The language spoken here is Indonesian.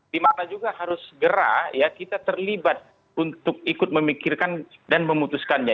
dimana juga harus segera ya kita terlibat untuk ikut memikirkan dan memutuskannya